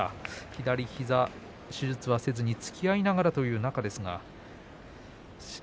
左の膝、手術はせずにつきあいながらという中です。